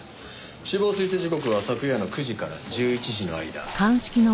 死亡推定時刻は昨夜の９時から１１時の間。